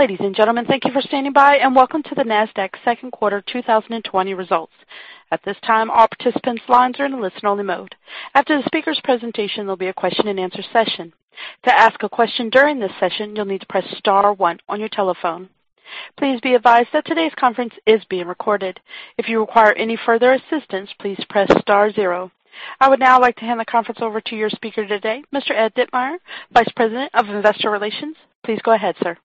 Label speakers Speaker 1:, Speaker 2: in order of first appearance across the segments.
Speaker 1: Ladies and gentlemen, thank you for standing by, and welcome to the Nasdaq's second quarter 2020 results. At this time, all participants' lines are in a listen-only mode. After the speaker's presentation, there'll be a question and answer session. To ask a question during this session, you'll need to press star one on your telephone. Please be advised that today's conference is being recorded. If you require any further assistance, please press star zero. I would now like to hand the conference over to your speaker today, Mr. Ed Ditmire, Vice President of Investor Relations. Please go ahead, sir.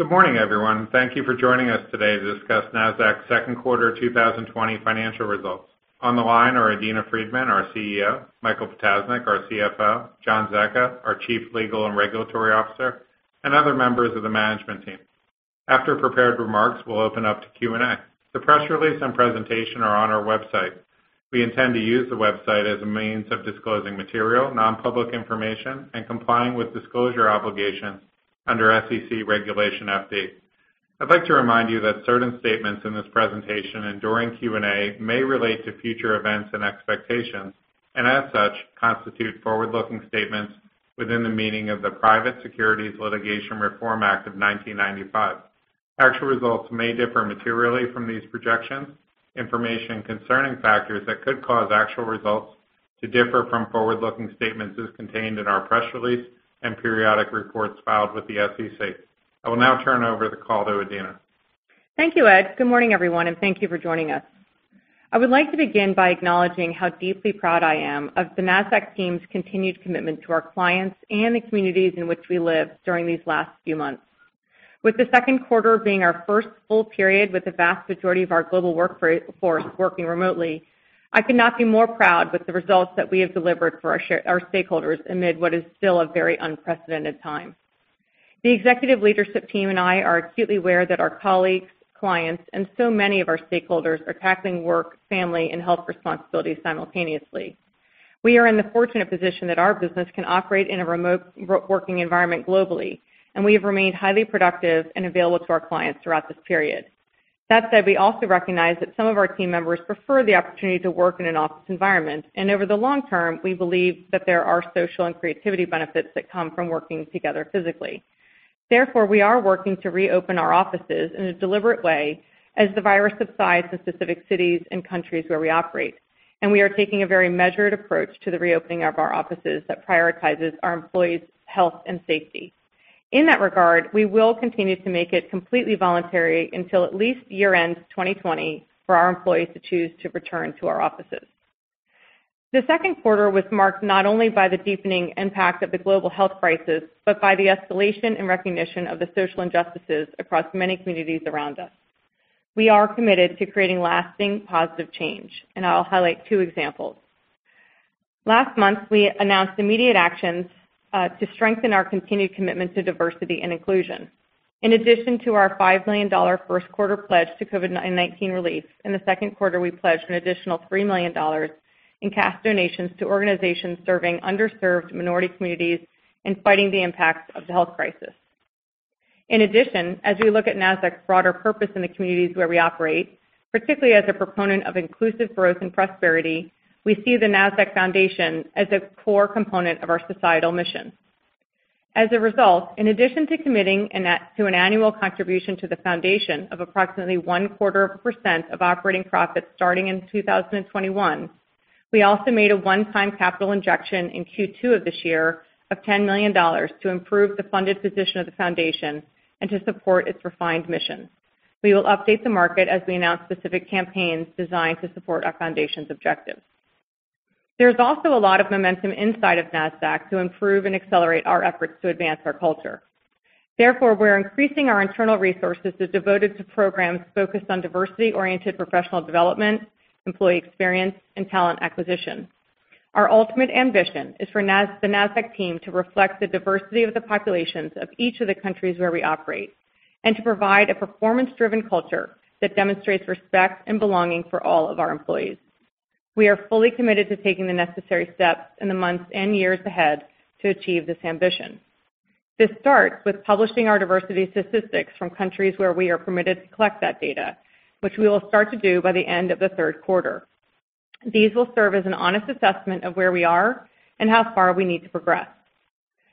Speaker 2: Good morning, everyone. Thank you for joining us today to discuss Nasdaq's second quarter 2020 financial results. On the line are Adena Friedman, our CEO; Michael Ptasznik, our CFO; John Zecca, our Chief Legal and Regulatory Officer, and other members of the management team. After prepared remarks, we'll open up to Q&A. The press release and presentation are on our website. We intend to use the website as a means of disclosing material, non-public information and complying with disclosure obligations under SEC Regulation FD. I'd like to remind you that certain statements in this presentation and during Q&A may relate to future events and expectations, and as such, constitute forward-looking statements within the meaning of the Private Securities Litigation Reform Act of 1995. Actual results may differ materially from these projections. Information concerning factors that could cause actual results to differ from forward-looking statements is contained in our press release and periodic reports filed with the SEC. I will now turn over the call to Adena.
Speaker 3: Thank you, Ed. Good morning, everyone, and thank you for joining us. I would like to begin by acknowledging how deeply proud I am of the Nasdaq team's continued commitment to our clients and the communities in which we live during these last few months. With the second quarter being our first full period with the vast majority of our global workforce working remotely, I could not be more proud with the results that we have delivered for our stakeholders amid what is still a very unprecedented time. The executive leadership team and I are acutely aware that our colleagues, clients, and so many of our stakeholders are tackling work, family, and health responsibilities simultaneously. We are in the fortunate position that our business can operate in a remote working environment globally, and we have remained highly productive and available to our clients throughout this period. That said, we also recognize that some of our team members prefer the opportunity to work in an office environment, and over the long term, we believe that there are social and creativity benefits that come from working together physically. We are working to reopen our offices in a deliberate way as the virus subsides in specific cities and countries where we operate, and we are taking a very measured approach to the reopening of our offices that prioritizes our employees' health and safety. In that regard, we will continue to make it completely voluntary until at least year-end 2020 for our employees to choose to return to our offices. The second quarter was marked not only by the deepening impact of the global health crisis, but by the escalation and recognition of the social injustices across many communities around us. We are committed to creating lasting positive change. I will highlight two examples. Last month, we announced immediate actions to strengthen our continued commitment to diversity and inclusion. In addition to our $5 million first quarter pledge to COVID-19 relief, in the second quarter, we pledged an additional $3 million in cash donations to organizations serving underserved minority communities and fighting the impacts of the health crisis. In addition, as we look at Nasdaq's broader purpose in the communities where we operate, particularly as a proponent of inclusive growth and prosperity, we see the Nasdaq Foundation as a core component of our societal mission. As a result, in addition to committing to an annual contribution to the foundation of approximately one-quarter of a percent of operating profits starting in 2021, we also made a one-time capital injection in Q2 of this year of $10 million to improve the funded position of the foundation and to support its refined mission. We will update the market as we announce specific campaigns designed to support our foundation's objectives. There's also a lot of momentum inside of Nasdaq to improve and accelerate our efforts to advance our culture. Therefore, we're increasing our internal resources devoted to programs focused on diversity-oriented professional development, employee experience, and talent acquisition. Our ultimate ambition is for the Nasdaq team to reflect the diversity of the populations of each of the countries where we operate and to provide a performance-driven culture that demonstrates respect and belonging for all of our employees. We are fully committed to taking the necessary steps in the months and years ahead to achieve this ambition. This starts with publishing our diversity statistics from countries where we are permitted to collect that data, which we will start to do by the end of the third quarter. These will serve as an honest assessment of where we are and how far we need to progress.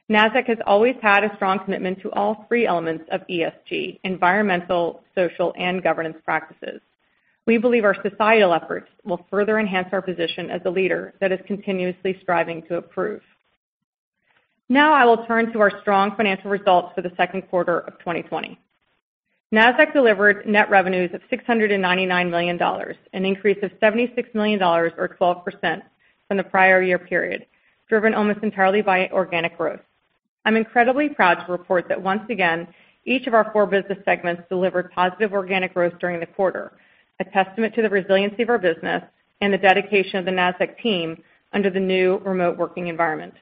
Speaker 3: Nasdaq has always had a strong commitment to all three elements of ESG, environmental, social, and governance practices. We believe our societal efforts will further enhance our position as a leader that is continuously striving to improve. I will turn to our strong financial results for the second quarter of 2020. Nasdaq delivered net revenues of $699 million, an increase of $76 million, or 12%, from the prior year period, driven almost entirely by organic growth. I'm incredibly proud to report that once again, each of our four business segments delivered positive organic growth during the quarter, a testament to the resiliency of our business and the dedication of the Nasdaq team under the new remote working environment.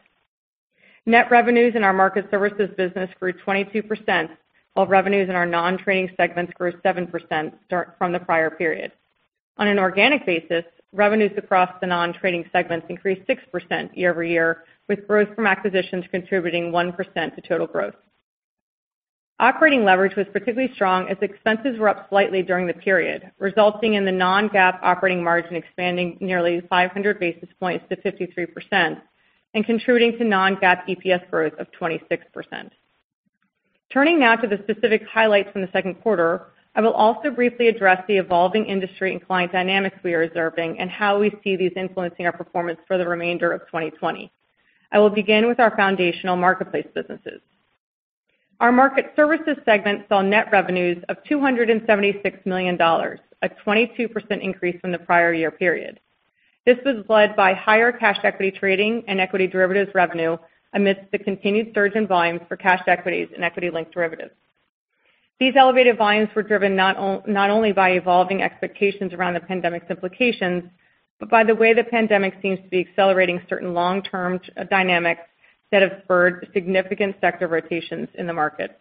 Speaker 3: Net revenues in our market services business grew 22%, while revenues in our non-trading segments grew 7% from the prior period. On an organic basis, revenues across the non-trading segments increased 6% year-over-year, with growth from acquisitions contributing 1% to total growth. Operating leverage was particularly strong as expenses were up slightly during the period, resulting in the non-GAAP operating margin expanding nearly 500 basis points to 53%, and contributing to non-GAAP EPS growth of 26%. Turning now to the specific highlights from the second quarter, I will also briefly address the evolving industry and client dynamics we are observing and how we see these influencing our performance for the remainder of 2020. I will begin with our foundational marketplace businesses. Our Market Services segment saw net revenues of $276 million, a 22% increase from the prior year period. This was led by higher cash equity trading and equity derivatives revenue amidst the continued surge in volumes for cash equities and equity-linked derivatives. These elevated volumes were driven not only by evolving expectations around the pandemic's implications, but by the way the pandemic seems to be accelerating certain long-term dynamics that have spurred significant sector rotations in the market.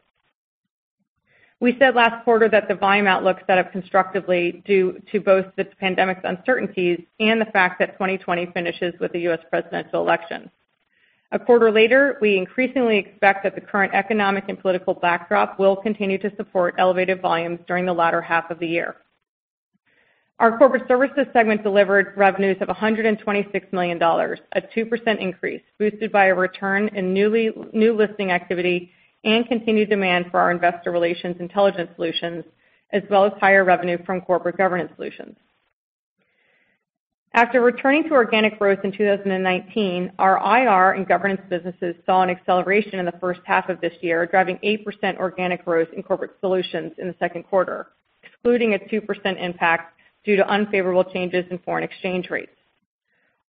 Speaker 3: We said last quarter that the volume outlook set up constructively due to both the pandemic's uncertainties and the fact that 2020 finishes with the U.S. presidential election. A quarter later, we increasingly expect that the current economic and political backdrop will continue to support elevated volumes during the latter half of the year. Our Corporate Services segment delivered revenues of $126 million, a 2% increase boosted by a return in new listing activity and continued demand for our investor relations intelligence solutions, as well as higher revenue from corporate governance solutions. After returning to organic growth in 2019, our IR and governance businesses saw an acceleration in the first half of this year, driving 8% organic growth in Corporate Solutions in the second quarter, excluding a 2% impact due to unfavorable changes in foreign exchange rates.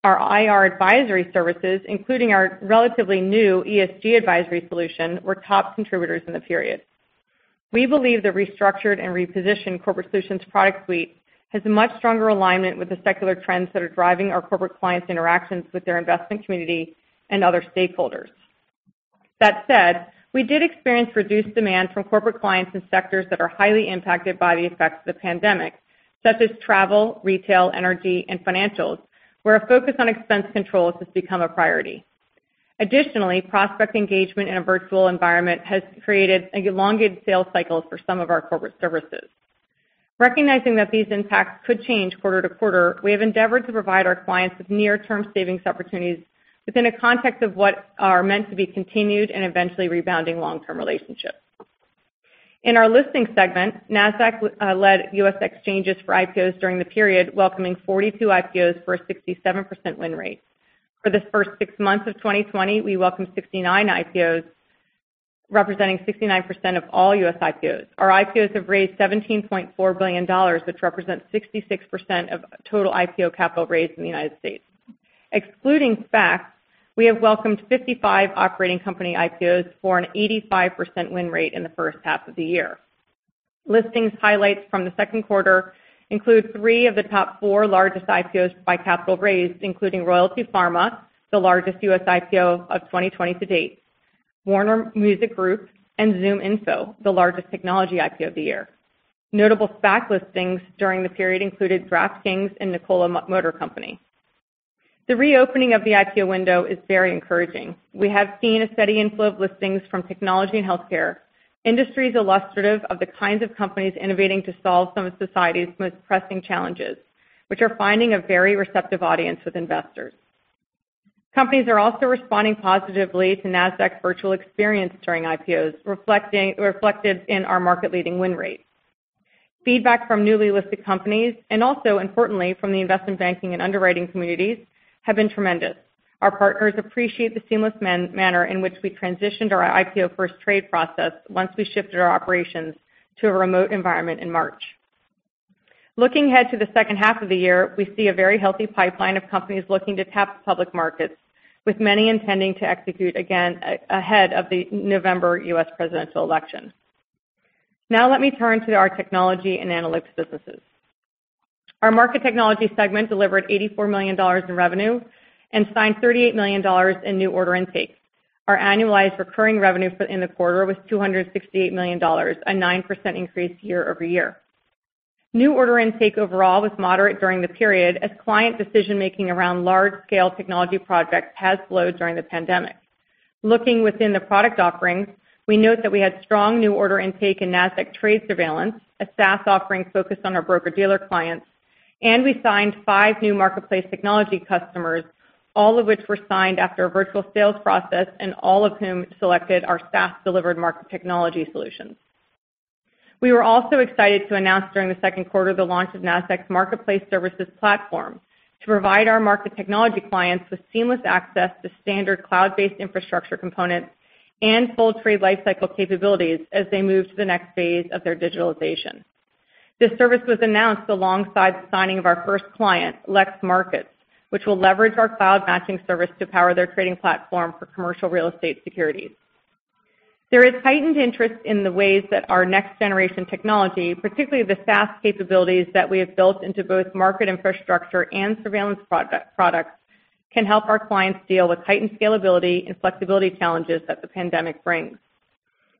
Speaker 3: Our IR advisory services, including our relatively new ESG advisory solution, were top contributors in the period. We believe the restructured and repositioned corporate solutions product suite has a much stronger alignment with the secular trends that are driving our corporate clients' interactions with their investment community and other stakeholders. That said, we did experience reduced demand from corporate clients and sectors that are highly impacted by the effects of the pandemic, such as travel, retail, energy, and financials, where a focus on expense controls has become a priority. Prospect engagement in a virtual environment has created elongated sales cycles for some of our corporate services. Recognizing that these impacts could change quarter to quarter, we have endeavored to provide our clients with near-term savings opportunities within a context of what are meant to be continued and eventually rebounding long-term relationships. In our listings segment, Nasdaq led U.S. exchanges for IPOs during the period, welcoming 42 IPOs for a 67% win rate. For the first six months of 2020, we welcomed 69 IPOs, representing 69% of all U.S. IPOs. Our IPOs have raised $17.4 billion, which represents 66% of total IPO capital raised in the United States. Excluding SPACs, we have welcomed 55 operating company IPOs for an 85% win rate in the first half of the year. Listings highlights from the second quarter include three of the top four largest IPOs by capital raised, including Royalty Pharma, the largest U.S. IPO of 2020 to date, Warner Music Group, and ZoomInfo, the largest technology IPO of the year. Notable SPAC listings during the period included DraftKings and Nikola Motor Company. The reopening of the IPO window is very encouraging. We have seen a steady inflow of listings from technology and healthcare, industries illustrative of the kinds of companies innovating to solve some of society's most pressing challenges, which are finding a very receptive audience with investors. Companies are also responding positively to Nasdaq's virtual experience during IPOs, reflected in our market-leading win rates. Feedback from newly listed companies, and also importantly from the investment banking and underwriting communities, have been tremendous. Our partners appreciate the seamless manner in which we transitioned our IPO first trade process once we shifted our operations to a remote environment in March. Looking ahead to the second half of the year, we see a very healthy pipeline of companies looking to tap public markets, with many intending to execute again ahead of the November U.S. presidential election. Now let me turn to our technology and analytics businesses. Our market technology segment delivered $84 million in revenue and signed $38 million in new order intakes. Our annualized recurring revenue in the quarter was $268 million, a 9% increase year-over-year. New order intake overall was moderate during the period as client decision-making around large-scale technology projects has slowed during the pandemic. Looking within the product offerings, we note that we had strong new order intake in Nasdaq Trade Surveillance, a SaaS offering focused on our broker-dealer clients, and we signed five new marketplace technology customers, all of which were signed after a virtual sales process and all of whom selected our SaaS-delivered market technology solutions. We were also excited to announce during the second quarter the launch of Nasdaq's Marketplace Services Platform to provide our market technology clients with seamless access to standard cloud-based infrastructure components and full trade lifecycle capabilities as they move to the next phase of their digitalization. This service was announced alongside the signing of our first client, LEX Markets, which will leverage our cloud-matching service to power their trading platform for commercial real estate securities. There is heightened interest in the ways that our next-generation technology, particularly the SaaS capabilities that we have built into both market infrastructure and surveillance products, can help our clients deal with heightened scalability and flexibility challenges that the pandemic brings.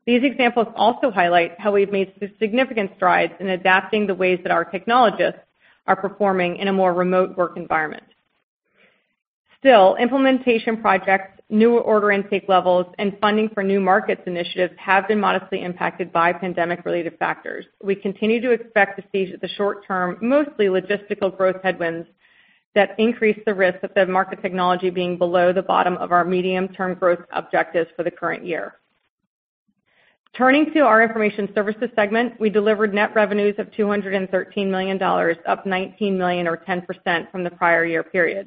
Speaker 3: These examples also highlight how we've made significant strides in adapting the ways that our technologists are performing in a more remote work environment. Still, implementation projects, new order intake levels, and funding for new markets initiatives have been modestly impacted by pandemic-related factors. We continue to expect to see the short-term, mostly logistical growth headwinds that increase the risk of the market technology being below the bottom of our medium-term growth objectives for the current year. Turning to our Information Services Segment, we delivered net revenues of $213 million, up $19 million or 10% from the prior year period.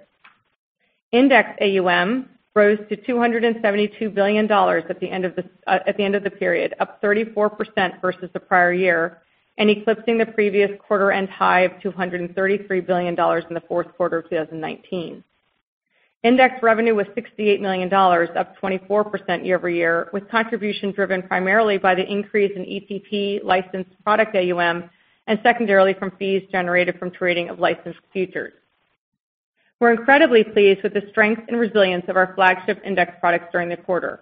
Speaker 3: Index AUM rose to $272 billion at the end of the period, up 34% versus the prior year, and eclipsing the previous quarter end high of $233 billion in the fourth quarter of 2019. Index revenue was $68 million, up 24% year-over-year, with contribution driven primarily by the increase in ETP licensed product AUM and secondarily from fees generated from trading of licensed futures. We're incredibly pleased with the strength and resilience of our flagship index products during the quarter.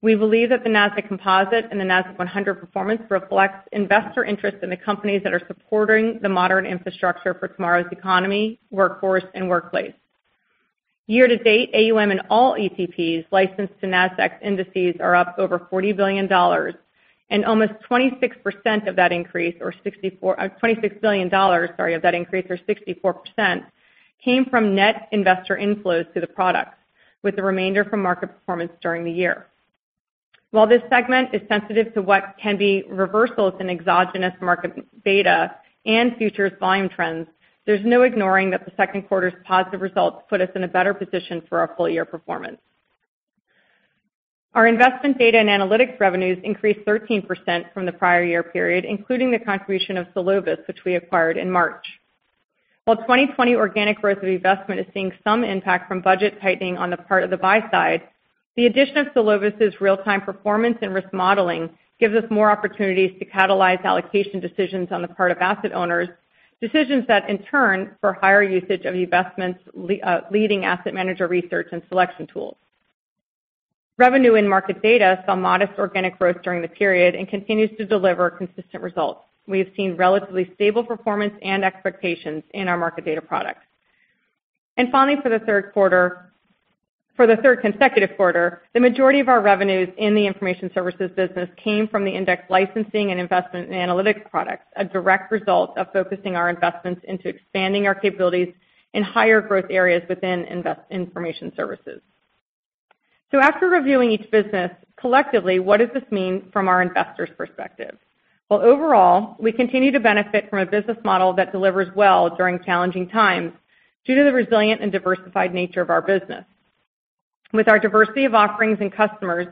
Speaker 3: We believe that the Nasdaq Composite and the Nasdaq-100 performance reflects investor interest in the companies that are supporting the modern infrastructure for tomorrow's economy, workforce, and workplace. Year-to-date, AUM in all ETPs licensed to Nasdaq's indices are up over $40 billion and almost $26 billion of that increase, or 64%, came from net investor inflows to the products, with the remainder from market performance during the year. While this segment is sensitive to what can be reversals in exogenous market data and futures volume trends, there's no ignoring that the second quarter's positive results put us in a better position for our full-year performance. Our investment data and analytics revenues increased 13% from the prior year period, including the contribution of Solovis, which we acquired in March. While 2020 organic growth of eVestment is seeing some impact from budget tightening on the part of the buy side, the addition of Solovis's real-time performance and risk modeling gives us more opportunities to catalyze allocation decisions on the part of asset owners, decisions that in turn for higher usage of eVestment's leading asset manager research and selection tools. Revenue in market data saw modest organic growth during the period and continues to deliver consistent results. We have seen relatively stable performance and expectations in our market data products. Finally, for the third consecutive quarter, the majority of our revenues in the Information Services business came from the index licensing and investment analytics products, a direct result of focusing our investments into expanding our capabilities in higher growth areas within Information Services. After reviewing each business, collectively, what does this mean from our investors' perspective? Overall, we continue to benefit from a business model that delivers well during challenging times due to the resilient and diversified nature of our business. With our diversity of offerings and customers,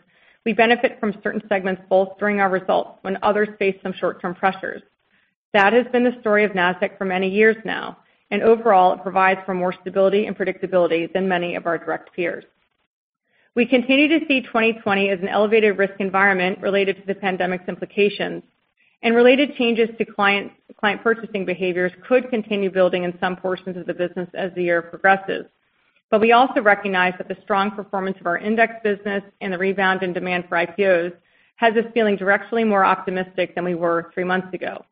Speaker 3: we benefit from certain segments bolstering our results when others face some short-term pressures. That has been the story of Nasdaq for many years now, and overall, it provides for more stability and predictability than many of our direct peers. We continue to see 2020 as an elevated risk environment related to the pandemic's implications and related changes to client purchasing behaviors could continue building in some portions of the business as the year progresses. We also recognize that the strong performance of our index business and the rebound in demand for IPOs has us feeling directly more optimistic than we were three months ago.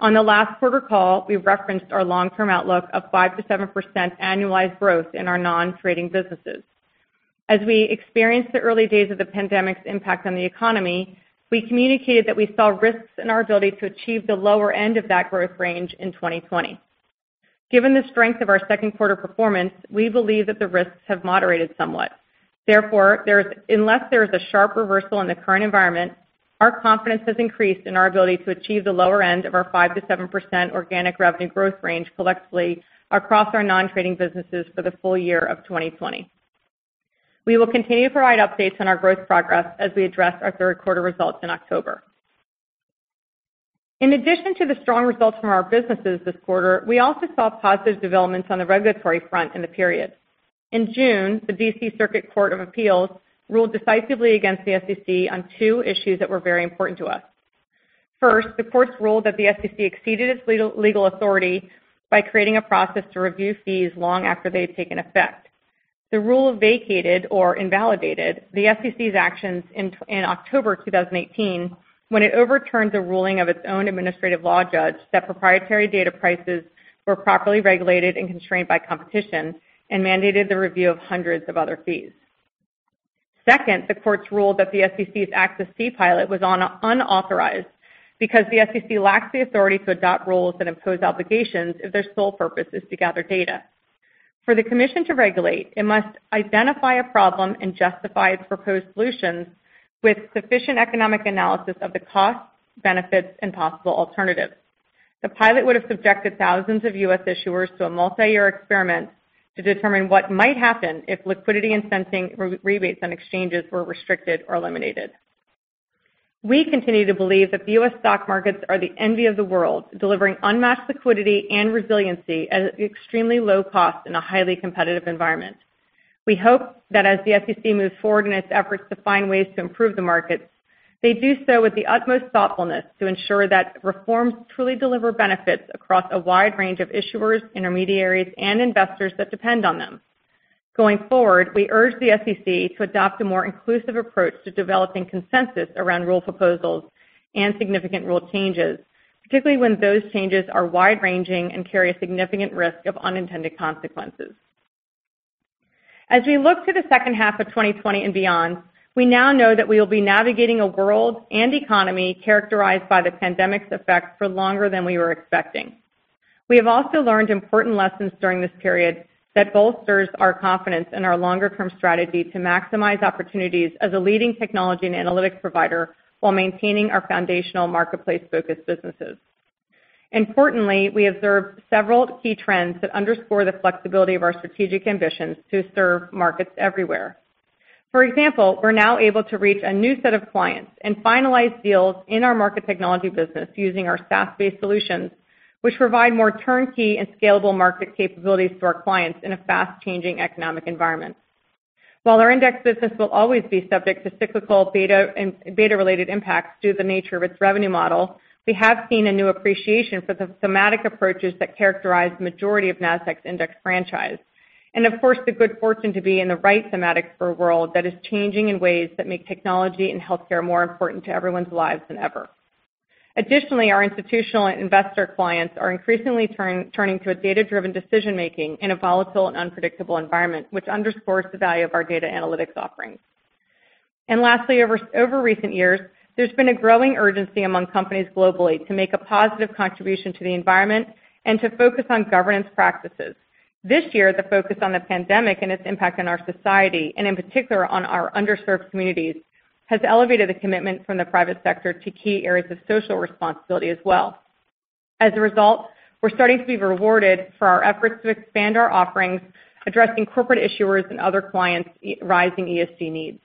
Speaker 3: On the last quarter call, we referenced our long-term outlook of 5%-7% annualized growth in our non-trading businesses. As we experienced the early days of the pandemic's impact on the economy, we communicated that we saw risks in our ability to achieve the lower end of that growth range in 2020. Given the strength of our second quarter performance, we believe that the risks have moderated somewhat. Unless there is a sharp reversal in the current environment, our confidence has increased in our ability to achieve the lower end of our 5%-7% organic revenue growth range collectively across our non-trading businesses for the full year of 2020. We will continue to provide updates on our growth progress as we address our third quarter results in October. In addition to the strong results from our businesses this quarter, we also saw positive developments on the regulatory front in the period. In June, the D.C. Circuit Court of Appeals ruled decisively against the SEC on two issues that were very important to us. First, the courts ruled that the SEC exceeded its legal authority by creating a process to review fees long after they had taken effect. The rule vacated or invalidated the SEC's actions in October 2018 when it overturned the ruling of its own administrative law judge that proprietary data prices were properly regulated and constrained by competition and mandated the review of hundreds of other fees. Second, the courts ruled that the SEC's Access Fee Pilot was unauthorized because the SEC lacks the authority to adopt rules that impose obligations if their sole purpose is to gather data. For the commission to regulate, it must identify a problem and justify its proposed solutions with sufficient economic analysis of the costs, benefits, and possible alternatives. The pilot would have subjected thousands of U.S. issuers to a multi-year experiment to determine what might happen if liquidity incenting rebates on exchanges were restricted or eliminated. We continue to believe that the U.S. stock markets are the envy of the world, delivering unmatched liquidity and resiliency at extremely low cost in a highly competitive environment. We hope that as the SEC moves forward in its efforts to find ways to improve the markets, they do so with the utmost thoughtfulness to ensure that reforms truly deliver benefits across a wide range of issuers, intermediaries, and investors that depend on them. Going forward, we urge the SEC to adopt a more inclusive approach to developing consensus around rule proposals and significant rule changes, particularly when those changes are wide-ranging and carry a significant risk of unintended consequences. As we look to the second half of 2020 and beyond, we now know that we will be navigating a world and economy characterized by the pandemic's effects for longer than we were expecting. We have also learned important lessons during this period that bolsters our confidence in our longer-term strategy to maximize opportunities as a leading technology and analytics provider while maintaining our foundational marketplace-focused businesses. We observed several key trends that underscore the flexibility of our strategic ambitions to serve markets everywhere. For example, we're now able to reach a new set of clients and finalize deals in our market technology business using our SaaS-based solutions, which provide more turnkey and scalable market capabilities to our clients in a fast-changing economic environment. While our index business will always be subject to cyclical beta and beta-related impacts due to the nature of its revenue model, we have seen a new appreciation for the thematic approaches that characterize majority of Nasdaq's index franchise. Of course, the good fortune to be in the right thematic for a world that is changing in ways that make technology and healthcare more important to everyone's lives than ever. Our institutional and investor clients are increasingly turning to a data-driven decision-making in a volatile and unpredictable environment, which underscores the value of our data analytics offerings. Lastly, over recent years, there's been a growing urgency among companies globally to make a positive contribution to the environment and to focus on governance practices. This year, the focus on the pandemic and its impact on our society, and in particular on our underserved communities, has elevated the commitment from the private sector to key areas of social responsibility as well. As a result, we're starting to be rewarded for our efforts to expand our offerings, addressing corporate issuers and other clients' rising ESG needs.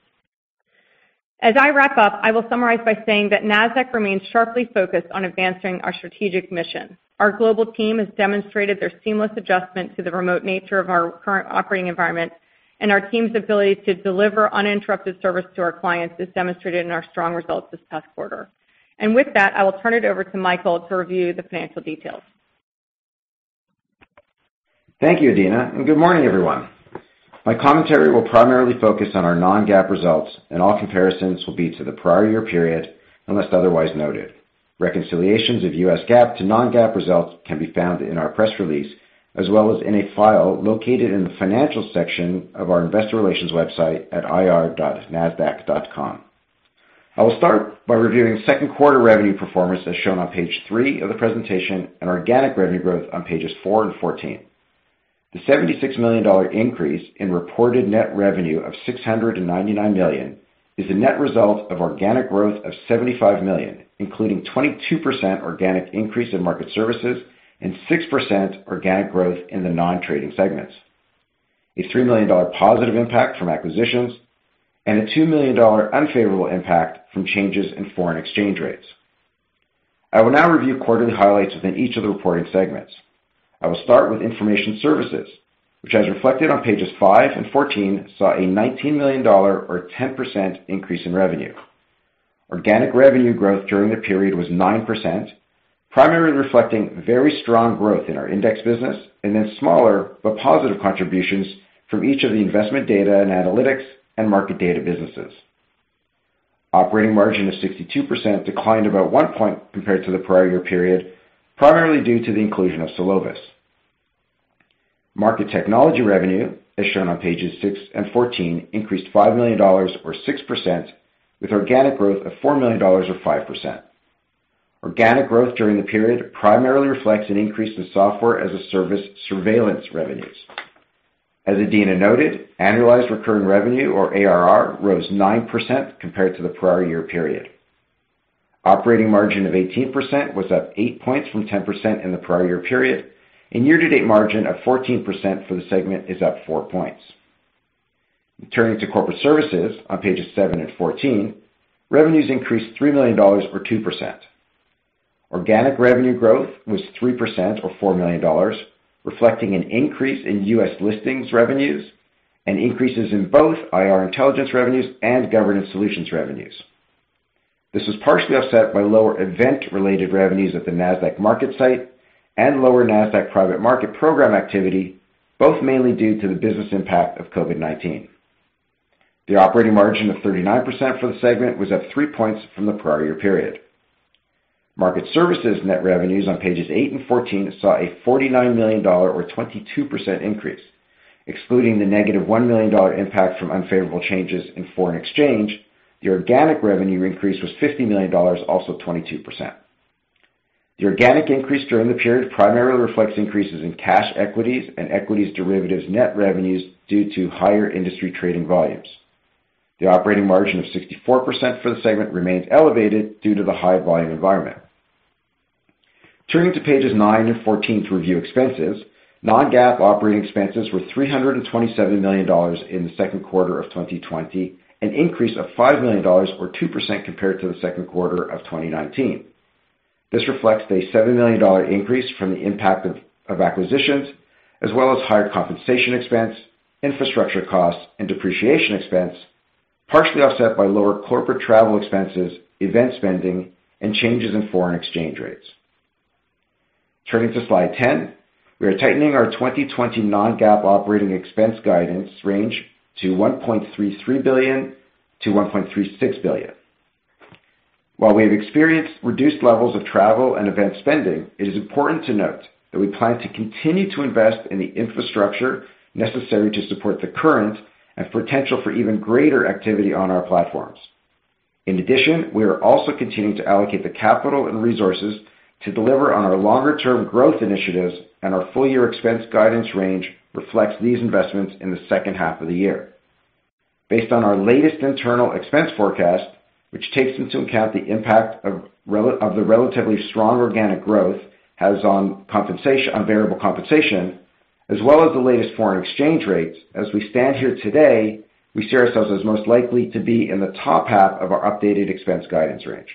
Speaker 3: As I wrap up, I will summarize by saying that Nasdaq remains sharply focused on advancing our strategic mission. Our global team has demonstrated their seamless adjustment to the remote nature of our current operating environment, our team's ability to deliver uninterrupted service to our clients is demonstrated in our strong results this past quarter. With that, I will turn it over to Michael to review the financial details.
Speaker 4: Thank you, Adena, good morning, everyone. My commentary will primarily focus on our non-GAAP results, all comparisons will be to the prior year period, unless otherwise noted. Reconciliations of US GAAP to non-GAAP results can be found in our press release, as well as in a file located in the Financial section of our investor relations website at ir.nasdaq.com. I will start by reviewing second quarter revenue performance as shown on page three of the presentation and organic revenue growth on pages four and 14. The $76 million increase in reported net revenue of $699 million is the net result of organic growth of $75 million, including 22% organic increase in market services and 6% organic growth in the non-trading segments. A $3 million positive impact from acquisitions and a $2 million unfavorable impact from changes in foreign exchange rates. I will now review quarterly highlights within each of the reported segments. I will start with information services, which, as reflected on pages five and 14, saw a $19 million or 10% increase in revenue. Organic revenue growth during the period was 9%, primarily reflecting very strong growth in our index business and then smaller but positive contributions from each of the investment data and analytics and market data businesses. Operating margin of 62% declined about one point compared to the prior year period, primarily due to the inclusion of Solovis. Market technology revenue, as shown on pages six and 14, increased $5 million or 6% with organic growth of $4 million or 5%. Organic growth during the period primarily reflects an increase in software-as-a-service surveillance revenues. As Adena noted, annualized recurring revenue or ARR rose 9% compared to the prior year period. Operating margin of 18% was up eight points from 10% in the prior year period and year-to-date margin of 14% for the segment is up four points. Turning to corporate services on pages seven and 14, revenues increased $3 million or 2%. Organic revenue growth was 3% or $4 million, reflecting an increase in U.S. listings revenues and increases in both IR intelligence revenues and governance solutions revenues. This was partially offset by lower event-related revenues at the Nasdaq MarketSite and lower Nasdaq Private Market program activity, both mainly due to the business impact of COVID-19. The operating margin of 39% for the segment was up three points from the prior year period. Market services net revenues on pages eight and 14 saw a $49 million or 22% increase, excluding the negative $1 million impact from unfavorable changes in foreign exchange. The organic revenue increase was $50 million, also 22%. The organic increase during the period primarily reflects increases in cash equities and equities derivatives net revenues due to higher industry trading volumes. The operating margin of 64% for the segment remains elevated due to the high volume environment. Turning to pages nine and 14 to review expenses, non-GAAP operating expenses were $327 million in the second quarter of 2020, an increase of $5 million or 2% compared to the second quarter of 2019. This reflects a $7 million increase from the impact of acquisitions, as well as higher compensation expense, infrastructure costs, and depreciation expense, partially offset by lower corporate travel expenses, event spending, and changes in foreign exchange rates. Turning to slide 10. We are tightening our 2020 non-GAAP operating expense guidance range to $1.33 billion-$1.36 billion. While we have experienced reduced levels of travel and event spending, it is important to note that we plan to continue to invest in the infrastructure necessary to support the current and potential for even greater activity on our platforms. In addition, we are also continuing to allocate the capital and resources to deliver on our longer-term growth initiatives, and our full-year expense guidance range reflects these investments in the second half of the year. Based on our latest internal expense forecast, which takes into account the impact of the relatively strong organic growth has on variable compensation, as well as the latest foreign exchange rates, as we stand here today, we see ourselves as most likely to be in the top half of our updated expense guidance range.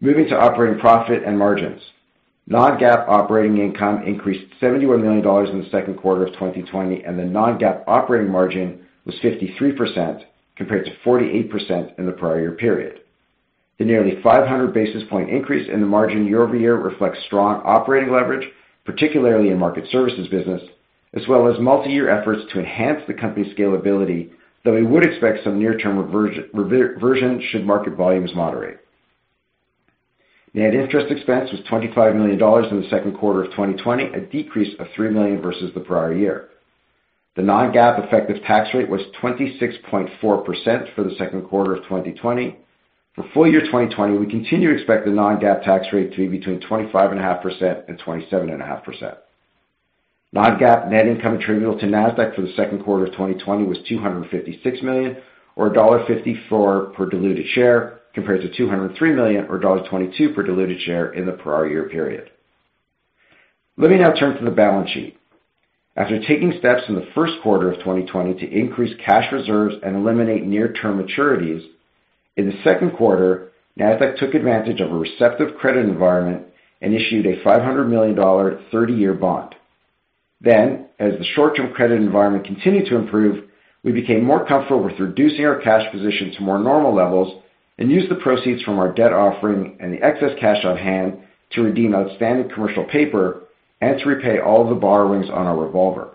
Speaker 4: Moving to operating profit and margins. Non-GAAP operating income increased $71 million in the second quarter of 2020, and the non-GAAP operating margin was 53% compared to 48% in the prior year period. The nearly 500 basis point increase in the margin year-over-year reflects strong operating leverage, particularly in market services business, as well as multi-year efforts to enhance the company's scalability, though we would expect some near-term reversion should market volumes moderate. Net interest expense was $25 million in the second quarter of 2020, a decrease of $3 million versus the prior year. The non-GAAP effective tax rate was 26.4% for the second quarter of 2020. For full year 2020, we continue to expect the non-GAAP tax rate to be between 25.5% and 27.5%. Non-GAAP net income attributable to Nasdaq for the second quarter of 2020 was $256 million, or $1.54 per diluted share, compared to $203 million or $1.22 per diluted share in the prior year period. Let me now turn to the balance sheet. After taking steps in the first quarter of 2020 to increase cash reserves and eliminate near-term maturities, in the second quarter, Nasdaq took advantage of a receptive credit environment and issued a $500 million 30-year bond. As the short-term credit environment continued to improve, we became more comfortable with reducing our cash position to more normal levels and used the proceeds from our debt offering and the excess cash on hand to redeem outstanding commercial paper and to repay all the borrowings on our revolver.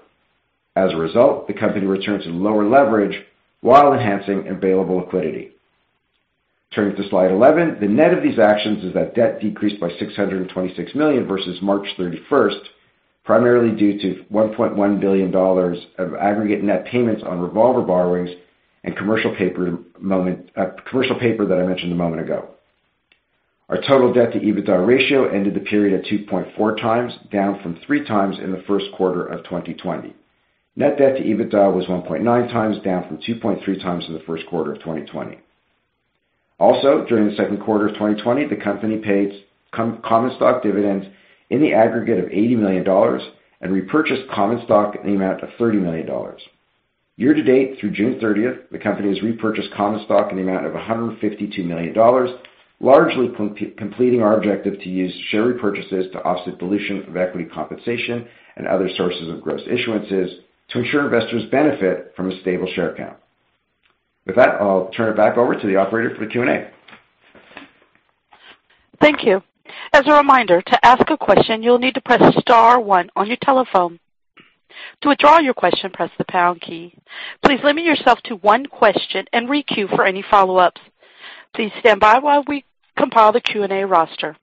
Speaker 4: As a result, the company returned to lower leverage while enhancing available liquidity. Turning to slide 11. The net of these actions is that debt decreased by $626 million versus March 31st, primarily due to $1.1 billion of aggregate net payments on revolver borrowings and commercial paper that I mentioned a moment ago. Our total debt-to-EBITDA ratio ended the period at 2.4 times, down from three times in the first quarter of 2020. Net debt to EBITDA was 1.9 times, down from 2.3 times in the first quarter of 2020. Also, during the second quarter of 2020, the company paid common stock dividends in the aggregate of $80 million and repurchased common stock in the amount of $30 million. Year to date, through June 30th, the company has repurchased common stock in the amount of $152 million, largely completing our objective to use share repurchases to offset dilution of equity compensation and other sources of gross issuances to ensure investors benefit from a stable share count. With that, I'll turn it back over to the operator for the Q&A.
Speaker 1: Thank you. As a reminder, to ask a question, you'll need to press *1 on your telephone. To withdraw your question, press the # key. Please limit yourself to one question and re-queue for any follow-ups. Please stand by while we compile the Q&A roster.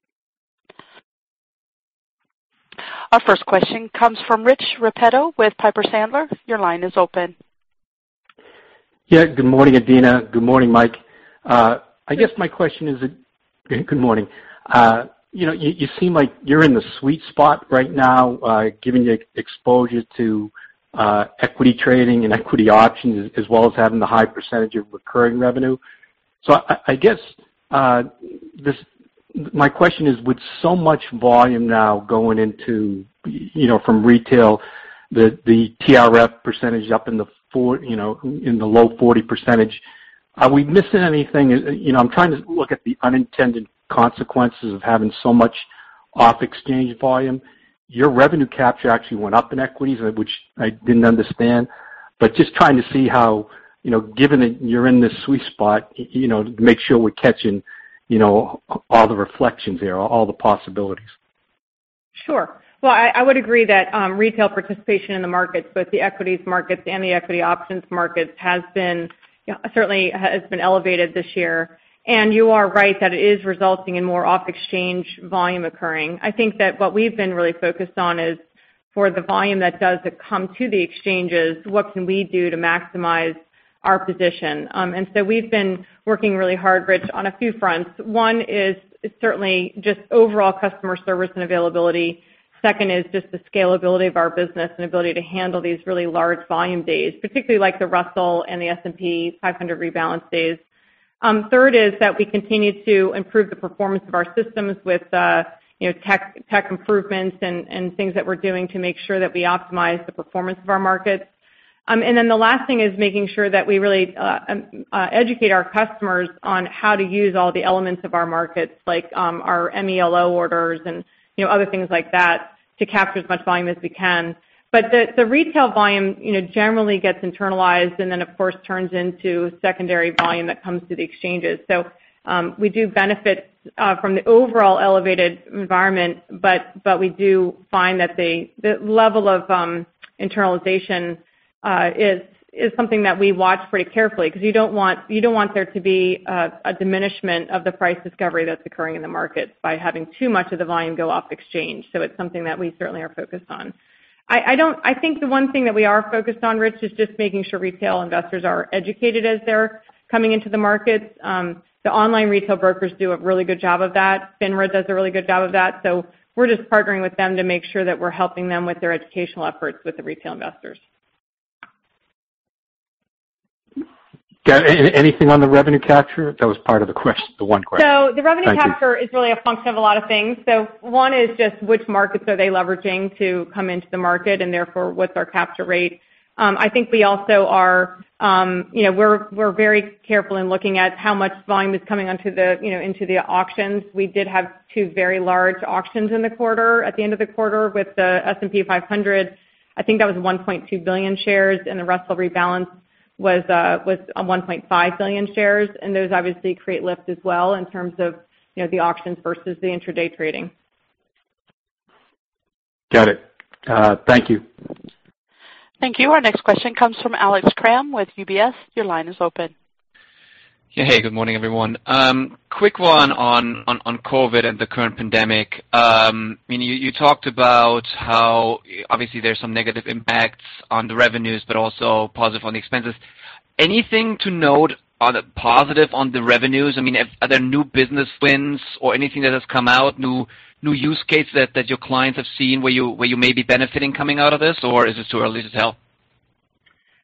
Speaker 1: Our first question comes from Rich Repetto with Piper Sandler. Your line is open.
Speaker 5: Good morning, Adena. Good morning, Mike. Good morning. You seem like you're in the sweet spot right now, given the exposure to equity trading and equity options, as well as having the high percentage of recurring revenue. I guess my question is, with so much volume now going into from retail, the TRF percentage up in the low 40%. Are we missing anything? I'm trying to look at the unintended consequences of having so much off-exchange volume. Your revenue capture actually went up in equities, which I didn't understand. just trying to see how, given that you're in this sweet spot, make sure we're catching all the reflections there, all the possibilities.
Speaker 3: Sure. Well, I would agree that retail participation in the markets, both the equities markets and the equity options markets, certainly has been elevated this year. You are right that it is resulting in more off-exchange volume occurring. I think that what we've been really focused on is for the volume that does come to the exchanges, what can we do to maximize our position? We've been working really hard, Rich, on a few fronts. One is certainly just overall customer service and availability Second is just the scalability of our business and ability to handle these really large volume days, particularly like the Russell and the S&P 500 rebalance days. Third is that we continue to improve the performance of our systems with tech improvements and things that we're doing to make sure that we optimize the performance of our markets. The last thing is making sure that we really educate our customers on how to use all the elements of our markets, like our M-ELO orders and other things like that to capture as much volume as we can. The retail volume generally gets internalized and then of course, turns into secondary volume that comes to the exchanges. We do benefit from the overall elevated environment, but we do find that the level of internalization is something that we watch pretty carefully because you don't want there to be a diminishment of the price discovery that's occurring in the markets by having too much of the volume go off exchange. It's something that we certainly are focused on. I think the one thing that we are focused on, Rich, is just making sure retail investors are educated as they're coming into the markets. The online retail brokers do a really good job of that. FINRA does a really good job of that. We're just partnering with them to make sure that we're helping them with their educational efforts with the retail investors.
Speaker 5: Got anything on the revenue capture? That was part of the one question. Thank you.
Speaker 3: The revenue capture is really a function of a lot of things. One is just which markets are they leveraging to come into the market, and therefore, what's our capture rate? I think we're very careful in looking at how much volume is coming into the auctions. We did have two very large auctions at the end of the quarter with the S&P 500. I think that was 1.2 billion shares, and the Russell rebalance was 1.5 billion shares. Those obviously create lift as well in terms of the auctions versus the intraday trading.
Speaker 5: Got it. Thank you.
Speaker 1: Thank you. Our next question comes from Alex Kramm with UBS. Your line is open.
Speaker 6: Hey. Good morning, everyone. Quick one on COVID and the current pandemic. You talked about how obviously there's some negative impacts on the revenues but also positive on the expenses. Anything to note on the positive on the revenues? Are there new business wins or anything that has come out, new use cases that your clients have seen where you may be benefiting coming out of this, or is it too early to tell?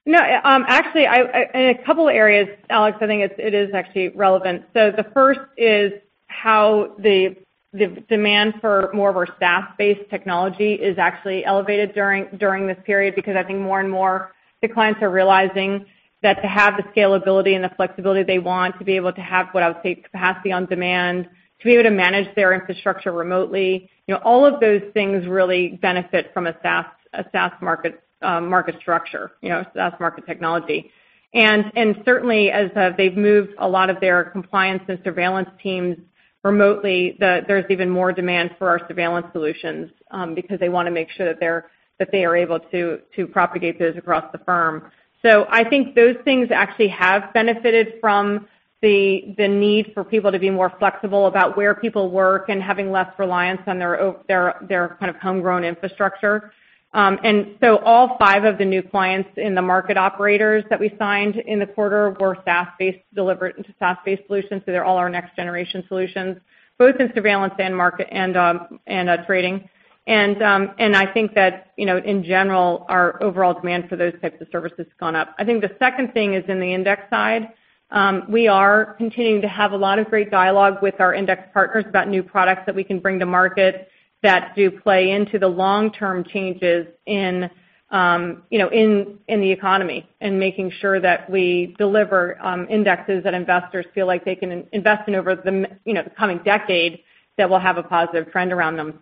Speaker 3: No, actually, in a couple areas, Alex, I think it is actually relevant. The first is how the demand for more of our SaaS-based technology is actually elevated during this period, because I think more and more the clients are realizing that to have the scalability and the flexibility they want to be able to have what I would say capacity on demand, to be able to manage their infrastructure remotely. All of those things really benefit from a SaaS market structure, a SaaS market technology. Certainly as they've moved a lot of their compliance and surveillance teams remotely, there's even more demand for our surveillance solutions because they want to make sure that they are able to propagate those across the firm. I think those things actually have benefited from the need for people to be more flexible about where people work and having less reliance on their homegrown infrastructure. All five of the new clients in the market operators that we signed in the quarter were SaaS-based solutions. They're all our next-generation solutions, both in surveillance and trading. I think that in general, our overall demand for those types of services has gone up. I think the second thing is in the index side. We are continuing to have a lot of great dialogue with our index partners about new products that we can bring to market that do play into the long-term changes in the economy and making sure that we deliver indexes that investors feel like they can invest in over the coming decade that will have a positive trend around them.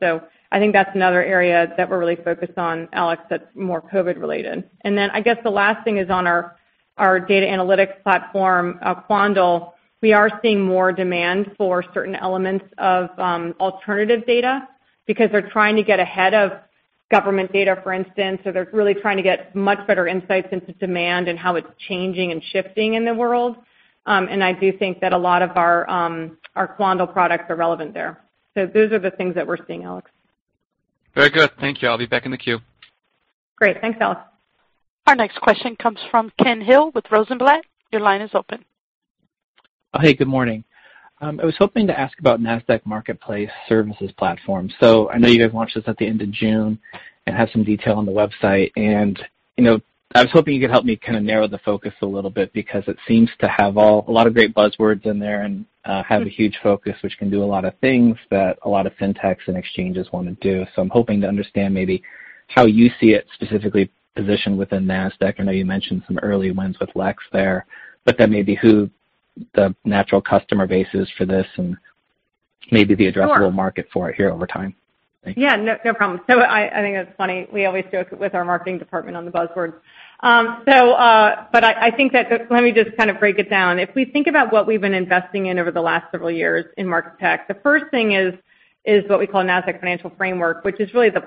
Speaker 3: I think that's another area that we're really focused on, Alex, that's more COVID-related. I guess the last thing is on our data analytics platform, Quandl, we are seeing more demand for certain elements of alternative data because they're trying to get ahead of government data, for instance. They're really trying to get much better insights into demand and how it's changing and shifting in the world. I do think that a lot of our Quandl products are relevant there. Those are the things that we're seeing, Alex.
Speaker 6: Very good. Thank you. I'll be back in the queue.
Speaker 3: Great. Thanks, Alex.
Speaker 1: Our next question comes from Ken Hill with Rosenblatt. Your line is open.
Speaker 7: Hey, good morning. I was hoping to ask about Nasdaq Marketplace Services Platform. I know you guys launched this at the end of June and have some detail on the website, and I was hoping you could help me kind of narrow the focus a little bit because it seems to have a lot of great buzzwords in there and have a huge focus which can do a lot of things that a lot of fintechs and exchanges want to do. I'm hoping to understand maybe how you see it specifically positioned within Nasdaq. I know you mentioned some early wins with LEX there, but then maybe who the natural customer base is for this and maybe the addressable market for it here over time. Thank you.
Speaker 3: Yeah, no problem. I think that's funny. We always joke with our marketing department on the buzzwords. Let me just kind of break it down. If we think about what we've been investing in over the last several years in Market Tech, the first thing is what we call Nasdaq Financial Framework, which is really the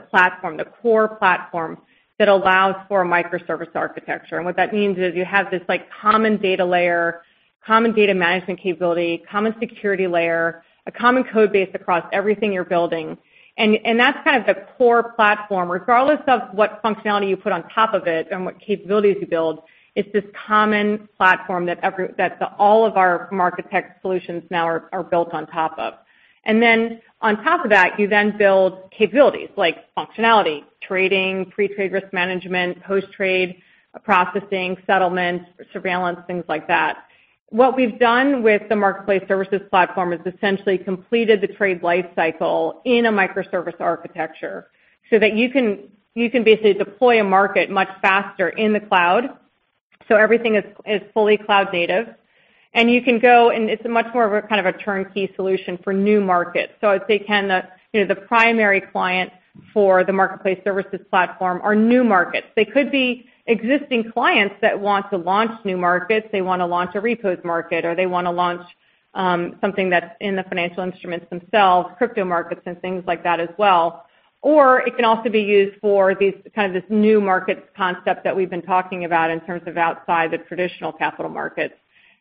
Speaker 3: core platform that allows for a microservice architecture. What that means is you have this common data layer, common data management capability, common security layer, a common code base across everything you're building. That's kind of the core platform. Regardless of what functionality you put on top of it and what capabilities you build, it's this common platform that all of our market tech solutions now are built on top of. Then on top of that, you then build capabilities like functionality, trading, pre-trade risk management, post-trade processing, settlements, surveillance, things like that. What we've done with the Marketplace Services Platform is essentially completed the trade life cycle in a microservice architecture so that you can basically deploy a market much faster in the cloud. Everything is fully cloud native, and you can go and it's a much more of a kind of a turnkey solution for new markets. I would say kind of the primary clients for the Marketplace Services Platform are new markets. They could be existing clients that want to launch new markets, they want to launch a repos market, or they want to launch something that's in the financial instruments themselves, crypto markets and things like that as well. It can also be used for these kind of this new markets concept that we've been talking about in terms of outside the traditional capital markets.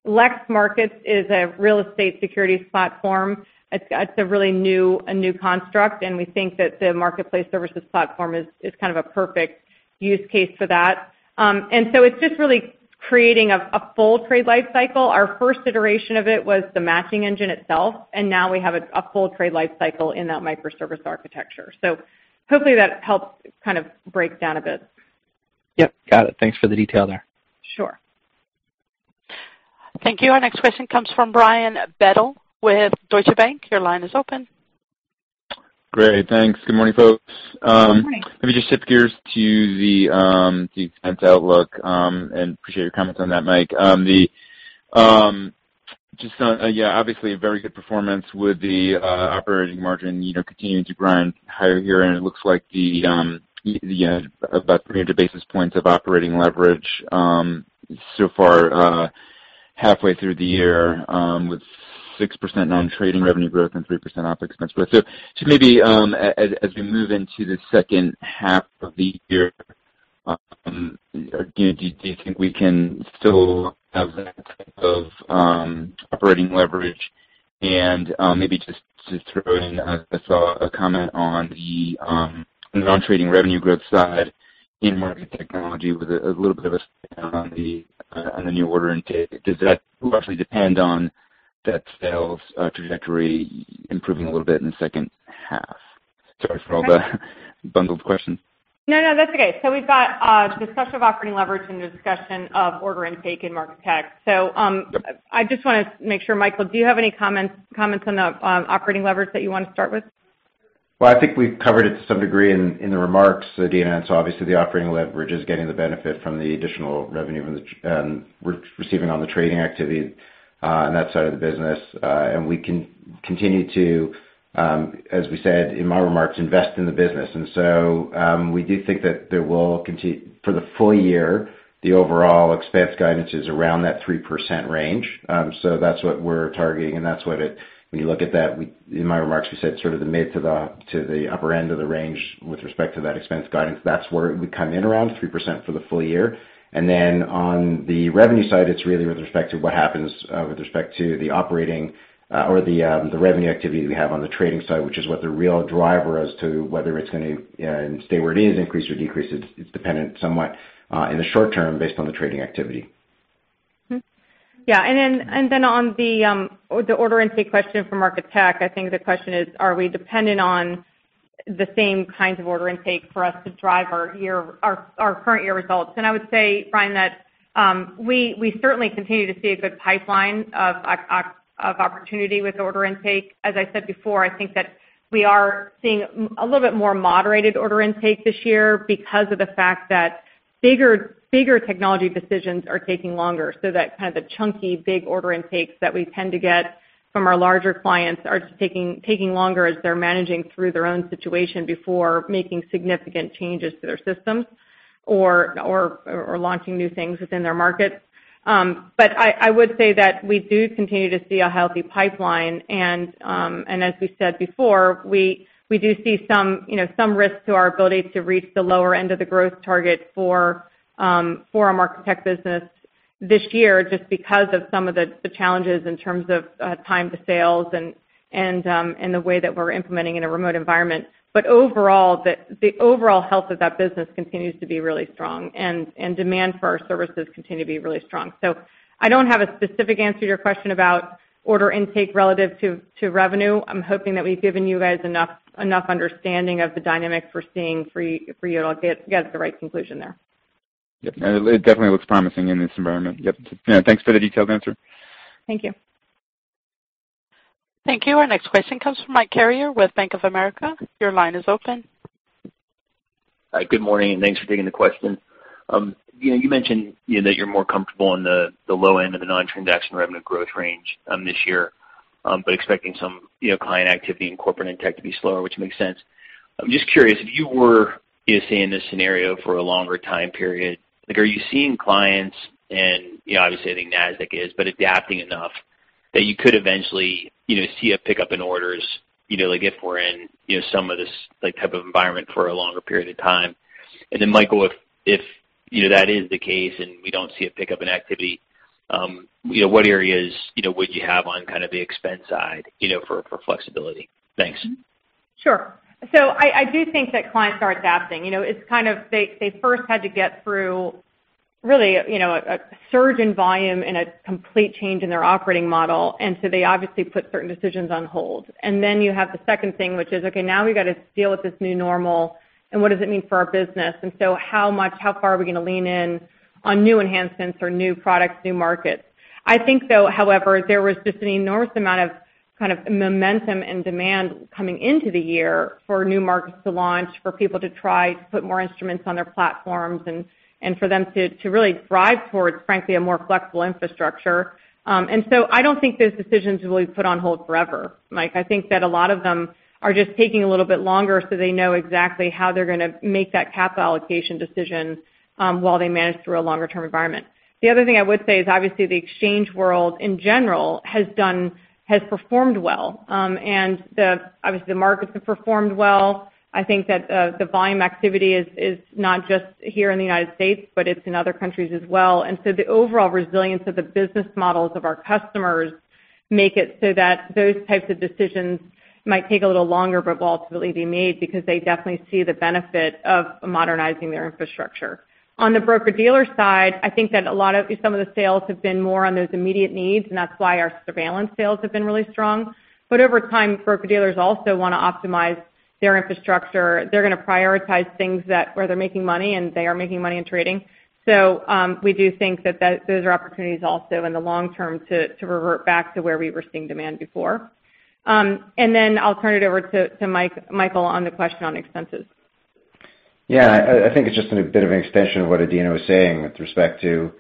Speaker 3: LEX Markets is a real estate securities platform. It's a really new construct, and we think that the Marketplace Services Platform is kind of a perfect use case for that. It's just really creating a full trade life cycle. Our first iteration of it was the matching engine itself, and now we have a full trade life cycle in that microservice architecture. Hopefully that helps kind of break down a bit.
Speaker 7: Yep, got it. Thanks for the detail there.
Speaker 3: Sure.
Speaker 1: Thank you. Our next question comes from Brian Bedell with Deutsche Bank. Your line is open.
Speaker 8: Great. Thanks. Good morning, folks.
Speaker 3: Good morning.
Speaker 8: Let me just shift gears to the expense outlook, and appreciate your comments on that, Mike. Obviously a very good performance with the operating margin continuing to grind higher here, and it looks like the about 300 basis points of operating leverage so far halfway through the year with 6% non-trading revenue growth and 3% OpEx expense growth. Just maybe as we move into the second half of the year, do you think we can still have that type of operating leverage? Maybe just to throw in, I saw a comment on the non-trading revenue growth side in market technology with a little bit of a spin on the new order intake. Does that roughly depend on that sales trajectory improving a little bit in the second half? Sorry for all the bundled questions.
Speaker 3: No, that's okay. We've got discussion of operating leverage and the discussion of order intake in market tech.
Speaker 8: Yep
Speaker 3: I just want to make sure, Michael, do you have any comments on the operating leverage that you want to start with?
Speaker 4: Well, I think we've covered it to some degree in the remarks. Obviously, the operating leverage is getting the benefit from the additional revenue we're receiving on the trading activity on that side of the business. We can continue to, as we said in my remarks, invest in the business. We do think that for the full year, the overall expense guidance is around that 3% range. That's what we're targeting. When you look at that, in my remarks, we said sort of the mid to the upper end of the range with respect to that expense guidance. That's where we come in around 3% for the full year. On the revenue side, it's really with respect to what happens with respect to the operating or the revenue activity we have on the trading side, which is what the real driver as to whether it's going to stay where it is, increase or decrease. It's dependent somewhat in the short term based on the trading activity.
Speaker 3: Yeah. On the order intake question for market tech, I think the question is, are we dependent on the same kinds of order intake for us to drive our current year results? I would say, Brian, that we certainly continue to see a good pipeline of opportunity with order intake. As I said before, I think that we are seeing a little bit more moderated order intake this year because of the fact that bigger technology decisions are taking longer. That kind of the chunky big order intakes that we tend to get from our larger clients are taking longer as they're managing through their own situation before making significant changes to their systems or launching new things within their markets. I would say that we do continue to see a healthy pipeline, and as we said before, we do see some risk to our ability to reach the lower end of the growth target for our market tech business this year, just because of some of the challenges in terms of time to sales and the way that we're implementing in a remote environment. The overall health of that business continues to be really strong, and demand for our services continue to be really strong. I don't have a specific answer to your question about order intake relative to revenue. I'm hoping that we've given you guys enough understanding of the dynamics we're seeing for you all to get to the right conclusion there.
Speaker 8: Yep. It definitely looks promising in this environment. Yep. Yeah, thanks for the detailed answer.
Speaker 3: Thank you.
Speaker 1: Thank you. Our next question comes from Michael Carrier with Bank of America. Your line is open.
Speaker 9: Good morning, thanks for taking the question. You mentioned that you're more comfortable on the low end of the non-transaction revenue growth range this year, but expecting some client activity in corporate and tech to be slower, which makes sense. I'm just curious, if you were going to stay in this scenario for a longer time period, are you seeing clients and obviously I think Nasdaq is, but adapting enough that you could eventually see a pickup in orders, like if we're in some of this type of environment for a longer period of time? Michael, if that is the case and we don't see a pickup in activity, what areas would you have on kind of the expense side for flexibility? Thanks.
Speaker 3: Sure. I do think that clients are adapting. They first had to get through really a surge in volume and a complete change in their operating model. They obviously put certain decisions on hold. You have the second thing, which is, okay, now we've got to deal with this new normal, and what does it mean for our business? How far are we going to lean in on new enhancements or new products, new markets? I think, though, however, there was just an enormous amount of kind of momentum and demand coming into the year for new markets to launch, for people to try to put more instruments on their platforms and for them to really thrive towards, frankly, a more flexible infrastructure. I don't think those decisions will be put on hold forever, Mike. I think that a lot of them are just taking a little bit longer, so they know exactly how they're going to make that capital allocation decision while they manage through a longer-term environment. The other thing I would say is obviously the exchange world in general has performed well, and obviously the markets have performed well. I think that the volume activity is not just here in the U.S., but it's in other countries as well. The overall resilience of the business models of our customers make it so that those types of decisions might take a little longer but will ultimately be made because they definitely see the benefit of modernizing their infrastructure. On the broker-dealer side, I think that some of the sales have been more on those immediate needs, and that's why our surveillance sales have been really strong. Over time, broker-dealers also want to optimize their infrastructure. They're going to prioritize things where they're making money, and they are making money in trading. We do think that those are opportunities also in the long term to revert back to where we were seeing demand before. I'll turn it over to Michael on the question on expenses.
Speaker 4: Yeah, I think it's just a bit of an extension of what Adena was saying with respect to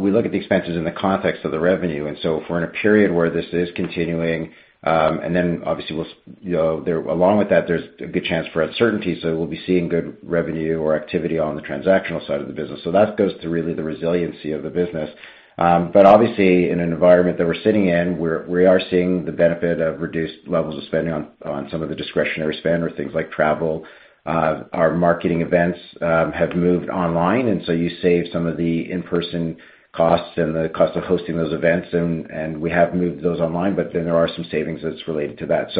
Speaker 4: we look at the expenses in the context of the revenue. If we're in a period where this is continuing, obviously, along with that, there's a good chance for uncertainty. We'll be seeing good revenue or activity on the transactional side of the business. That goes to really the resiliency of the business. Obviously, in an environment that we're sitting in, we are seeing the benefit of reduced levels of spending on some of the discretionary spend or things like travel. Our marketing events have moved online, you save some of the in-person costs and the cost of hosting those events, and we have moved those online. There are some savings that's related to that.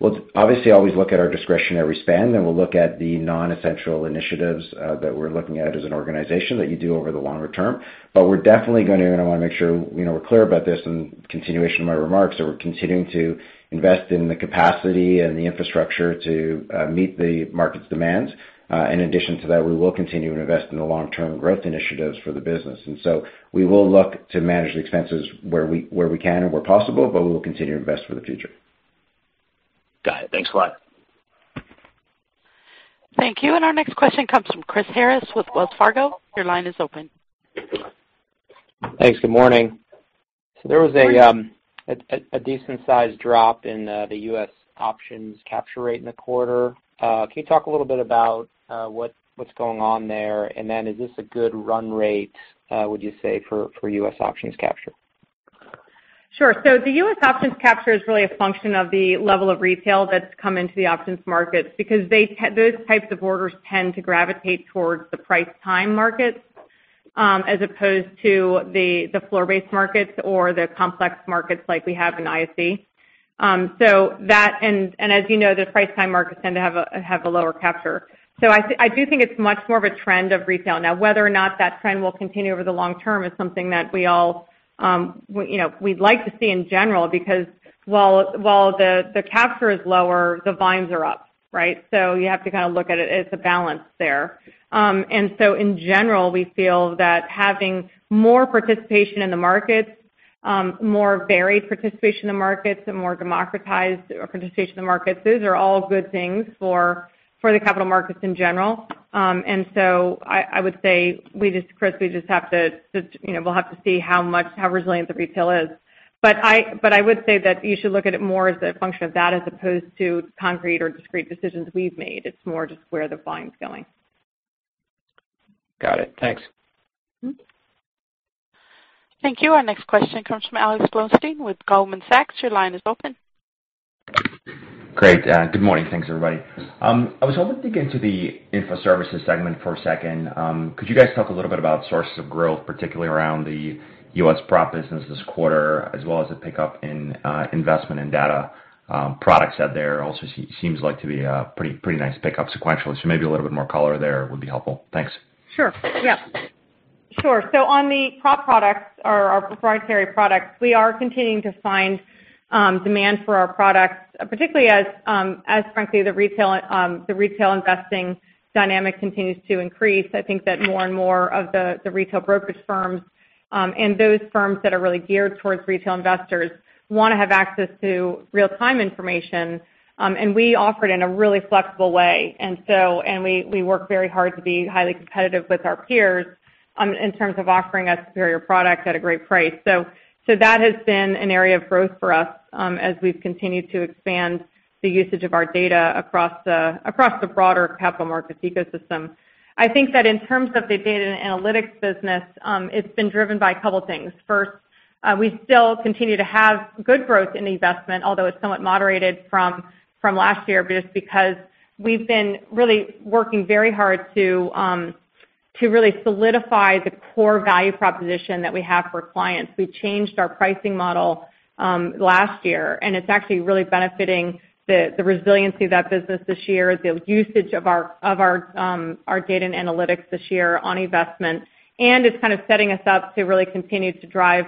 Speaker 4: We'll obviously always look at our discretionary spend, then we'll look at the non-essential initiatives that we're looking at as an organization that you do over the longer term. We're definitely going to want to make sure we're clear about this in continuation of my remarks. We're continuing to invest in the capacity and the infrastructure to meet the market's demands. In addition to that, we will continue to invest in the long-term growth initiatives for the business. We will look to manage the expenses where we can and where possible, but we will continue to invest for the future.
Speaker 9: Got it. Thanks a lot.
Speaker 1: Thank you. Our next question comes from Chris Harris with Wells Fargo. Your line is open.
Speaker 10: Thanks. Good morning. There was a decent-sized drop in the U.S. options capture rate in the quarter. Can you talk a little bit about what's going on there? Is this a good run rate, would you say, for U.S. options capture?
Speaker 3: Sure. The U.S. options capture is really a function of the level of retail that's come into the options markets because those types of orders tend to gravitate towards the price time markets as opposed to the floor-based markets or the complex markets like we have in ISE. As you know, the price time markets tend to have a lower capture. I do think it's much more of a trend of retail. Whether or not that trend will continue over the long term is something that we'd like to see in general because while the capture is lower, the volumes are up, right? You have to kind of look at it as a balance there. In general, we feel that having more participation in the markets, more varied participation in the markets, and more democratized participation in the markets, those are all good things for the capital markets in general. I would say, Chris, we'll have to see how resilient the retail is. I would say that you should look at it more as a function of that as opposed to concrete or discrete decisions we've made. It's more just where the volume's going.
Speaker 10: Got it. Thanks.
Speaker 1: Thank you. Our next question comes from Alex Blostein with Goldman Sachs. Your line is open.
Speaker 11: Great. Good morning. Thanks, everybody. I was hoping to dig into the info services segment for a second. Could you guys talk a little bit about sources of growth, particularly around the U.S. prop business this quarter, as well as the pickup in investment in data products out there also seems like to be a pretty nice pickup sequentially. Maybe a little bit more color there would be helpful. Thanks.
Speaker 3: Sure. Yeah. Sure. On the prop products, our proprietary products, we are continuing to find demand for our products, particularly as frankly, the retail investing dynamic continues to increase. I think that more and more of the retail brokerage firms and those firms that are really geared towards retail investors want to have access to real-time information, and we offer it in a really flexible way. We work very hard to be highly competitive with our peers in terms of offering a superior product at a great price. That has been an area of growth for us as we've continued to expand the usage of our data across the broader capital markets ecosystem. I think that in terms of the data and analytics business, it's been driven by a couple of things. First, we still continue to have good growth in investment, although it's somewhat moderated from last year just because we've been really working very hard to really solidify the core value proposition that we have for clients. We changed our pricing model last year. It's actually really benefiting the resiliency of that business this year, the usage of our data and analytics this year on eVestment. It's kind of setting us up to really continue to drive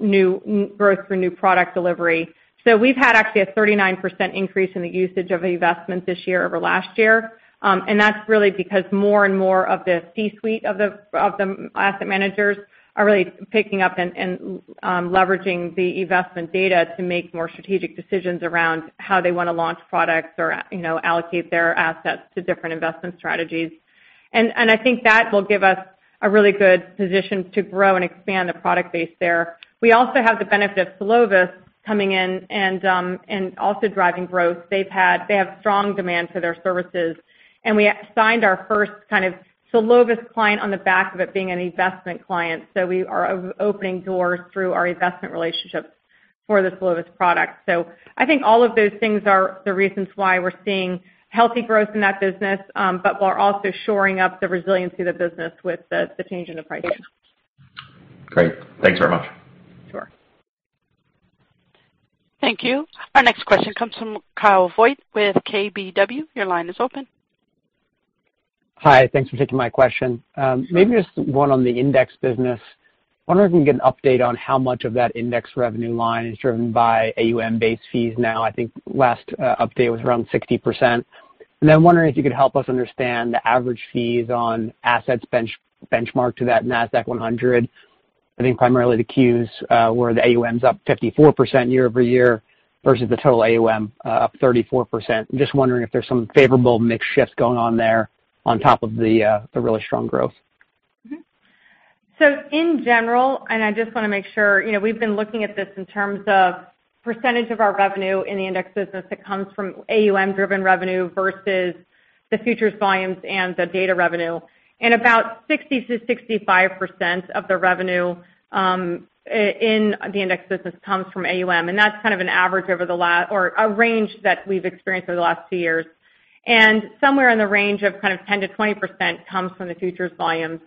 Speaker 3: new growth for new product delivery. We've had actually a 39% increase in the usage of eVestment this year over last year. That's really because more and more of the C-suite of the asset managers are really picking up and leveraging the eVestment data to make more strategic decisions around how they want to launch products or allocate their assets to different investment strategies. I think that will give us a really good position to grow and expand the product base there. We also have the benefit of Solovis coming in and also driving growth. They have strong demand for their services, and we signed our first Solovis client on the back of it being an eVestment client. We are opening doors through our eVestment relationships for the Solovis product. I think all of those things are the reasons why we're seeing healthy growth in that business, but we're also shoring up the resiliency of the business with the change in the pricing.
Speaker 11: Great. Thanks very much.
Speaker 3: Sure.
Speaker 1: Thank you. Our next question comes from Kyle Voigt with KBW. Your line is open.
Speaker 12: Hi. Thanks for taking my question.
Speaker 3: Sure.
Speaker 12: Maybe just one on the index business. Wondering if we can get an update on how much of that index revenue line is driven by AUM-based fees now. I think last update was around 60%. Wondering if you could help us understand the average fees on assets benchmarked to that Nasdaq-100. I think primarily the Qs where the AUM's up 54% year-over-year versus the total AUM, up 34%. Wondering if there's some favorable mix shifts going on there on top of the really strong growth.
Speaker 3: In general, and I just want to make sure, we've been looking at this in terms of percentage of our revenue in the index business that comes from AUM-driven revenue versus the futures volumes and the data revenue. About 60%-65% of the revenue in the index business comes from AUM, and that's kind of an average over the last-- or a range that we've experienced over the last few years. Somewhere in the range of kind of 10%-20% comes from the futures volumes.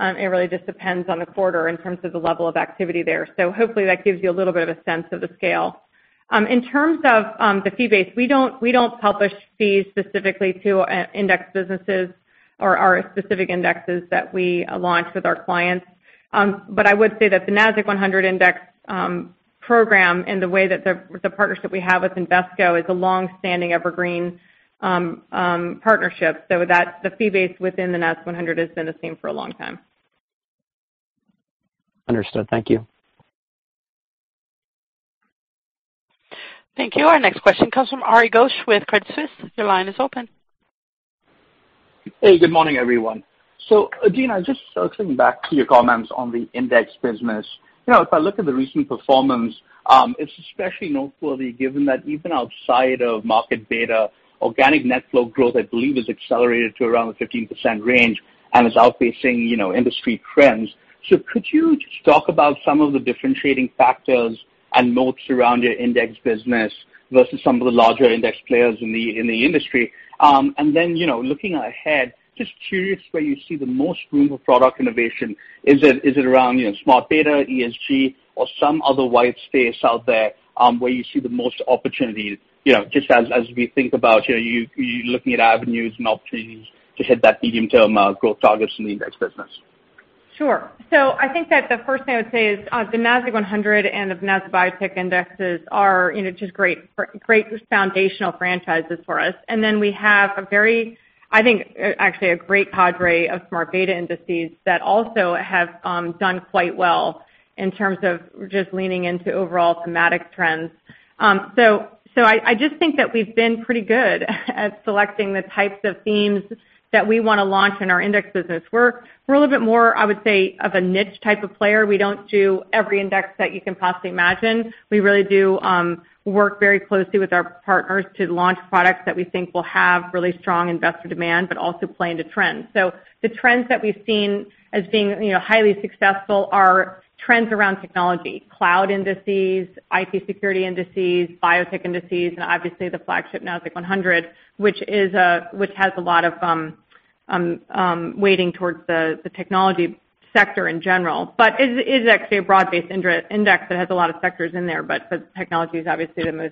Speaker 3: It really just depends on the quarter in terms of the level of activity there. Hopefully, that gives you a little bit of a sense of the scale. In terms of the fee base, we don't publish fees specifically to index businesses or our specific indexes that we launch with our clients. I would say that the Nasdaq-100 index program and the way that the partnership we have with Invesco is a longstanding evergreen partnership. The fee base within the Nas 100 has been the same for a long time.
Speaker 12: Understood. Thank you.
Speaker 1: Thank you. Our next question comes from Ari Ghosh with Credit Suisse. Your line is open.
Speaker 13: Hey, good morning, everyone. Adena, just circling back to your comments on the index business. If I look at the recent performance, it's especially noteworthy given that even outside of market beta, organic net flow growth, I believe, has accelerated to around the 15% range and is outpacing industry trends. Could you just talk about some of the differentiating factors and moats around your index business versus some of the larger index players in the industry? Looking ahead, just curious where you see the most room for product innovation. Is it around smart beta, ESG, or some other white space out there where you see the most opportunities? Just as we think about you looking at avenues and opportunities to hit that medium-term growth targets in the index business.
Speaker 3: Sure. I think that the first thing I would say is, the Nasdaq-100 and the Nasdaq Biotech indexes are just great foundational franchises for us. We have a very, I think, actually a great cadre of smart beta indices that also have done quite well in terms of just leaning into overall thematic trends. I just think that we've been pretty good at selecting the types of themes that we want to launch in our index business. We're a little bit more, I would say, of a niche type of player. We don't do every index that you can possibly imagine. We really do work very closely with our partners to launch products that we think will have really strong investor demand, but also play into trends. The trends that we've seen as being highly successful are trends around technology, cloud indices, cybersecurity indices, biotech indices, and obviously the flagship Nasdaq-100, which has a lot of weighting towards the technology sector in general. It is actually a broad-based index that has a lot of sectors in there, but technology is obviously the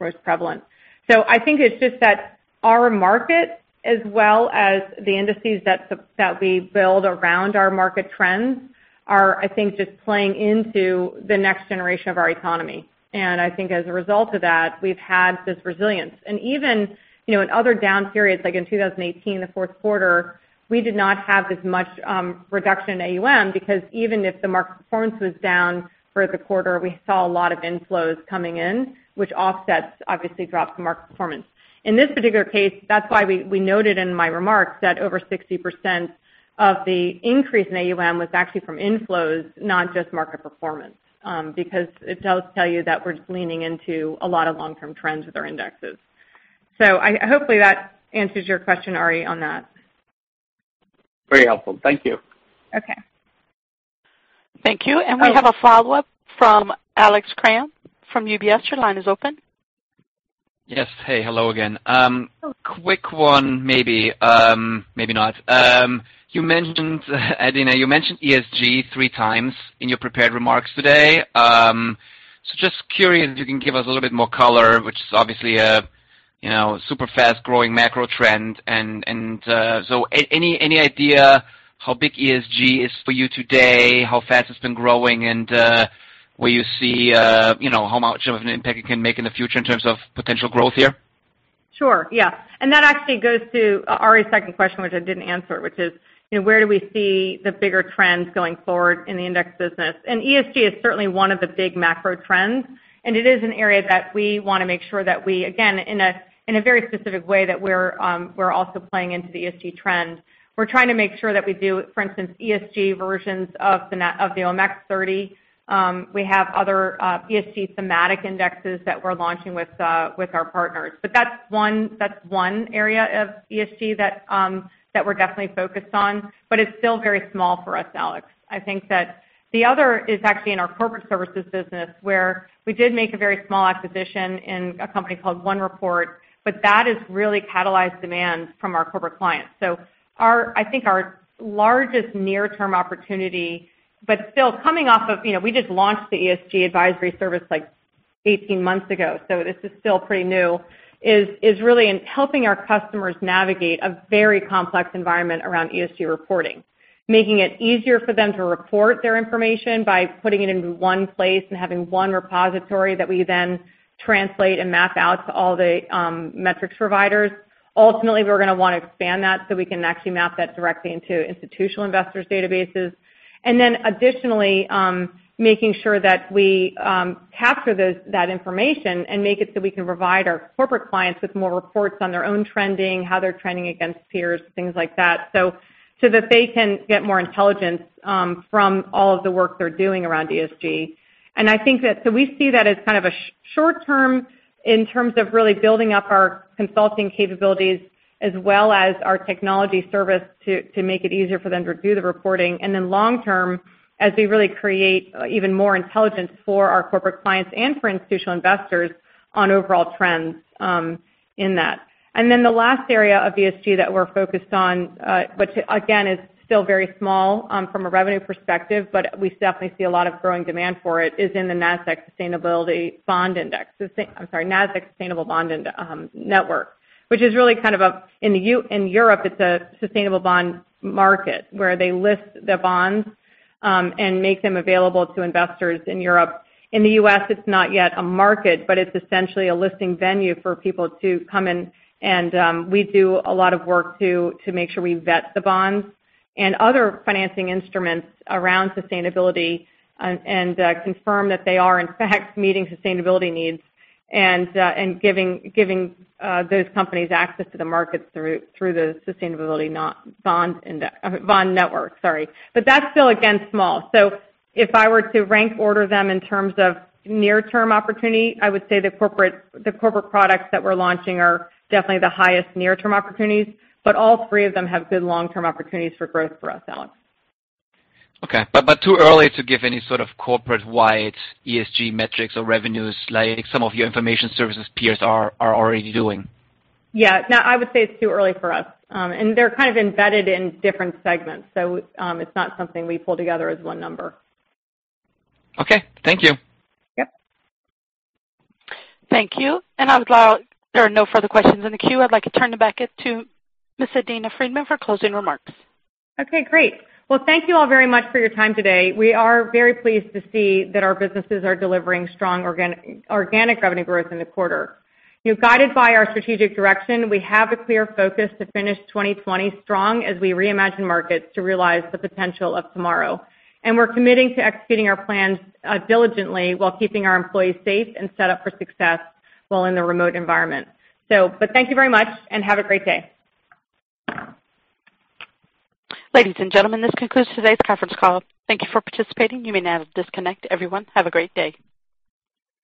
Speaker 3: most prevalent. I think it's just that our market, as well as the indices that we build around our market trends are, I think, just playing into the next generation of our economy. I think as a result of that, we've had this resilience. Even in other down periods, like in 2018, the fourth quarter, we did not have as much reduction in AUM because even if the market performance was down for the quarter, we saw a lot of inflows coming in, which offsets obviously drops in market performance. In this particular case, that's why we noted in my remarks that over 60% of the increase in AUM was actually from inflows, not just market performance, because it does tell you that we're just leaning into a lot of long-term trends with our indexes. Hopefully that answers your question, Ari, on that.
Speaker 13: Very helpful. Thank you.
Speaker 3: Okay.
Speaker 1: Thank you. We have a follow-up from Alex Kramm from UBS. Your line is open.
Speaker 6: Yes. Hey. Hello again. Quick one, maybe. Maybe not. Adena, you mentioned ESG three times in your prepared remarks today. Just curious if you can give us a little bit more color, which is obviously a super fast-growing macro trend. Any idea how big ESG is for you today, how fast it's been growing, and where you see how much of an impact it can make in the future in terms of potential growth here?
Speaker 3: Sure, yeah. That actually goes to Ari's second question, which I didn't answer, which is where do we see the bigger trends going forward in the index business? ESG is certainly one of the big macro trends, and it is an area that we want to make sure that we, again, in a very specific way, that we're also playing into the ESG trend. We're trying to make sure that we do, for instance, ESG versions of the OMXS30. We have other ESG thematic indexes that we're launching with our partners. That's one area of ESG that we're definitely focused on, but it's still very small for us, Alex. I think that the other is actually in our corporate services business, where we did make a very small acquisition in a company called OneReport, but that has really catalyzed demand from our corporate clients. I think our largest near-term opportunity, but still coming off of, we just launched the ESG advisory service 18 months ago, so this is still pretty new, is really in helping our customers navigate a very complex environment around ESG reporting, making it easier for them to report their information by putting it into one place and having one repository that we then translate and map out to all the metrics providers. Ultimately, we're going to want to expand that so we can actually map that directly into institutional investors' databases. Additionally, making sure that we capture that information and make it so we can provide our corporate clients with more reports on their own trending, how they're trending against peers, things like that, so that they can get more intelligence from all of the work they're doing around ESG. I think that we see that as kind of a short-term in terms of really building up our consulting capabilities as well as our technology service to make it easier for them to do the reporting. Long-term, as we really create even more intelligence for our corporate clients and for institutional investors on overall trends in that. The last area of ESG that we're focused on which, again, is still very small from a revenue perspective, but we definitely see a lot of growing demand for it, is in the Nasdaq Sustainability Bond Index. I'm sorry, Nasdaq Sustainable Bond Network, which is really kind of a, in Europe, it's a sustainable bond market where they list the bonds and make them available to investors in Europe. In the U.S., it's not yet a market, but it's essentially a listing venue for people to come in, and we do a lot of work to make sure we vet the bonds and other financing instruments around sustainability and confirm that they are, in fact, meeting sustainability needs and giving those companies access to the markets through the Nasdaq Sustainable Bond Network, sorry. That's still, again, small. If I were to rank order them in terms of near-term opportunity, I would say the corporate products that we're launching are definitely the highest near-term opportunities, but all three of them have good long-term opportunities for growth for us, Alex.
Speaker 6: Okay. Too early to give any sort of corporate-wide ESG metrics or revenues like some of your information services peers are already doing?
Speaker 3: Yeah. No, I would say it's too early for us. They're kind of embedded in different segments, so it's not something we pull together as one number.
Speaker 6: Okay. Thank you.
Speaker 3: Yep.
Speaker 1: Thank you. As there are no further questions in the queue, I'd like to turn it back to Ms. Adena Friedman for closing remarks.
Speaker 3: Okay, great. Well, thank you all very much for your time today. We are very pleased to see that our businesses are delivering strong organic revenue growth in the quarter. Guided by our strategic direction, we have a clear focus to finish 2020 strong as we reimagine markets to realize the potential of tomorrow. We're committing to executing our plans diligently while keeping our employees safe and set up for success while in the remote environment. Thank you very much, and have a great day.
Speaker 1: Ladies and gentlemen, this concludes today's conference call. Thank you for participating. You may now disconnect. Everyone, have a great day.